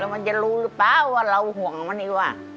มันจะรู้หรือเปล่าว่าเราห่วงมันนี่ว่า